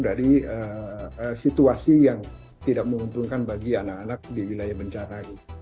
dari situasi yang tidak menguntungkan bagi anak anak di wilayah bencana